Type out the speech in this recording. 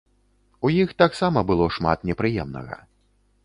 У іх таксама было шмат непрыемнага.